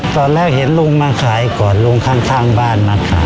ตอนแรกเห็นลุงมาขายก่อนลุงข้างบ้านมาขาย